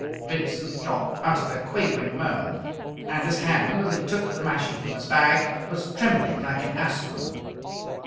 Vincent Jopp uttered a quavering moan, and his hand, as he took the mashie from his bag, was trembling like an aspen.